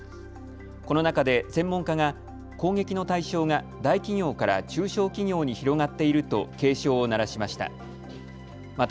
この中で専門家が攻撃の対象が大企業から中小企業に広がっていると警鐘を鳴らしました。